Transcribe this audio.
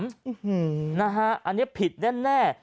อันนี้ผิดแน่